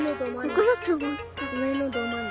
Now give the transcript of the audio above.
ここだとおもった。